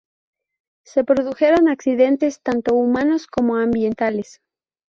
Se produjeron accidentes, tanto humanos como ambientales.